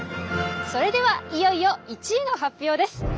それではいよいよ１位の発表です！